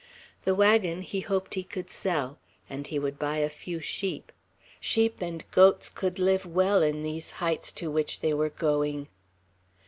The wagon he hoped he could sell; and he would buy a few sheep; sheep and goats could live well in these heights to which they were going.